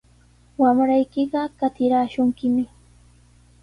Wamraykiqa qatiraashunkimi.